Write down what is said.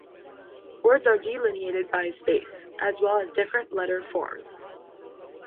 Words are delineated by a space, as well as different letter forms.